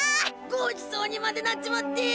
ごちそうにまでなっちまって。